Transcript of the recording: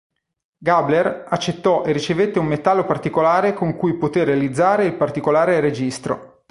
Gabler accettò e ricevette un metallo particolare con cui poté realizzare il particolare registro.